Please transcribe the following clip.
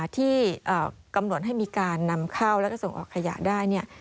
ที่กำหนดให้มีการนำเข้าแล้วก็ส่งออกขยะได้เนี่ย